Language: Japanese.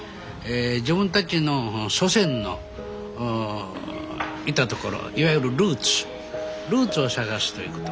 自分たちの祖先のいたところいわゆるルーツルーツを探すということ。